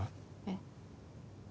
えっ？